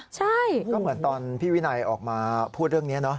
ใช่ก็เหมือนตอนพี่วินัยออกมาพูดเรื่องนี้เนาะ